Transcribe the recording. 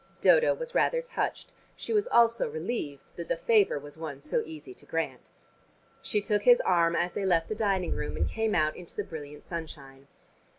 Dodo was rather touched: she was also relieved that the favor was one so easy to grant. She took his arm as they left the dining room and came out into the brilliant sunshine.